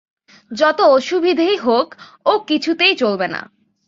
যত অসুবিধেই হোক, ও কিছুতেই চলবে না।